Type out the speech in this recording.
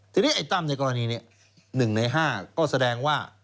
ทีนี้ไอ้ตั้มในกรณีนี้๑ใน๕ก็แสดงว่า